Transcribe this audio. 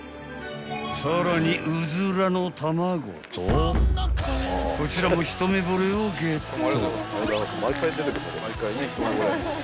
［さらにうずらのたまごとこちらもひとめぼれをゲット］